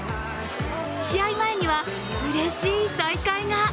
試合前にはうれしい再会が。